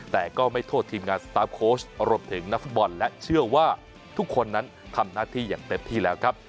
แต่ก็ไม่โทษทีมงานสตาร์ฟโค้ชรวมถึงนักฟุตบอลและเชื่อว่าทุกคนนั้นทำหน้าที่อย่างเต็มที่แล้วครับ